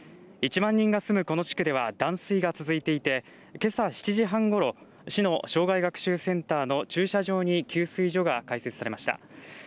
１万人が住むこの地区では断水が続いていて、けさ７時半ごろ、市の生涯学習センターの駐車場に給水所が開設されました。